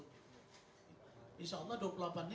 insya allah dua puluh delapan ini gak ada masalah